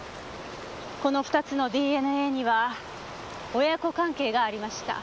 この２つのＤＮＡには親子関係がありました。